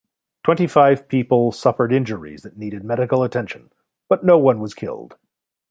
Twenty-five people suffered injuries that needed medical attention, but no-one was killed.